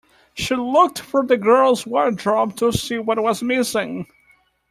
She looked through the girl's wardrobe to see what was missing.